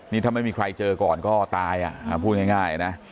นี่ถ้าไม่มีใครเจอก่อนก็ตายพูดง่ายนะ